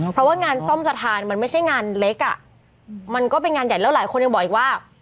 เพราะว่างานซ่อมสะพานมันไม่ใช่งานเล็กอ่ะมันก็เป็นงานใหญ่แล้วหลายคนยังบอกอีกว่า